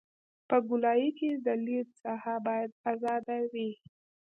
په ګولایي کې د لید ساحه باید ازاده وي